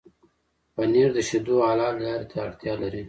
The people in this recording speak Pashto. پنېر د شيدو حلالې لارې ته اړتيا لري.